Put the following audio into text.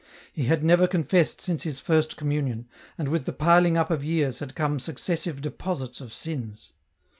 He had never confessed since his first communion, and with the piling up of years had come successive deposits of sins.